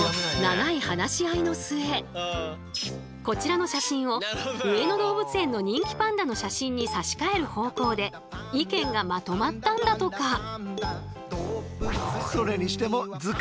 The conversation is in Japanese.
こちらの写真を上野動物園の人気パンダの写真に差し替える方向で意見がまとまったんだとか。